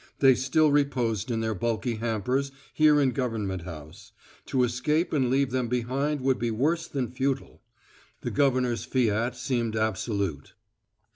They still reposed in their bulky hampers here in Government House; to escape and leave them behind would be worse than futile. The governor's fiat seemed absolute.